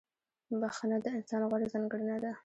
• بخښنه د انسان غوره ځانګړنه ده.